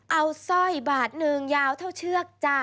เอาสร้อยบาทหนึ่งยาวเท่าเชือกจ้ะ